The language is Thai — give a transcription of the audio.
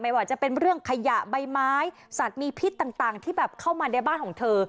ว่าจะเป็นเรื่องขยะใบไม้สัตว์มีพิษต่างที่แบบเข้ามาในบ้านของเธอ